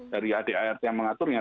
dari ada art yang mengaturnya